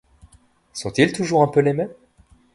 Sont-ils toujours un peu les mêmes ?